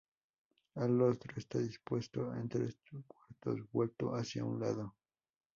El rostro está dispuesto en tres cuartos, vuelto hacia un lado.